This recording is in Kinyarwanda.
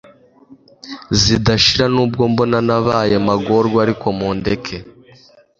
zidashira nubwo mbona nabaye magorwa ariko mundeke